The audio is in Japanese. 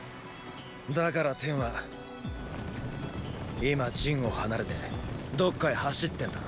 だからテンは今陣を離れてどっかへ走ってんだろ。